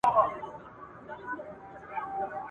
خر بارونو ته پیدا خرکار ترڅنګ وي ..